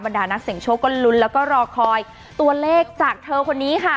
ดานักเสียงโชคก็ลุ้นแล้วก็รอคอยตัวเลขจากเธอคนนี้ค่ะ